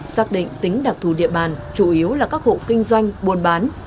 xác định tính đặc thù địa bàn chủ yếu là các hộ kinh doanh buôn bán